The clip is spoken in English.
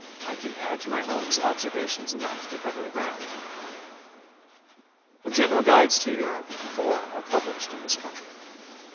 I can add to my own ob servations enough to cover the ground. Of general guides to Europe four are published in this country.